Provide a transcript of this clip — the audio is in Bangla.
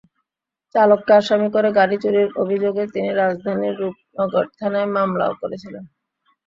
চালককে আসামি করে গাড়ি চুরির অভিযোগে তিনি রাজধানীর রূপনগর থানায় মামলাও করেছিলেন।